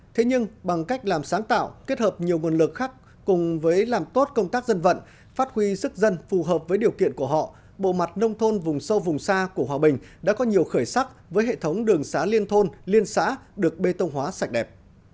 thế nhưng bằng cách làm sáng tạo kết hợp nhiều nguồn lực khác cùng với làm tốt công tác dân vận phát huy sức dân phù hợp với điều kiện của họ bộ mặt nông thôn vùng sâu vùng xa của hòa bình đã có nhiều khởi sắc với hệ thống đường xá liên thôn liên xã được bê tông hóa sạch đẹp